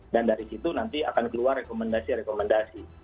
dan dari situ nanti akan keluar rekomendasi rekomendasi